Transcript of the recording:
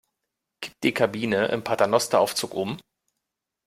Kippt die Kabine im Paternosteraufzug um?